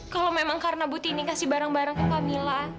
kalau memang karena buti ini kasih barang barang ke kamila